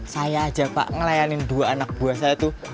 saya aja pak ngelayanin dua anak buah saya tuh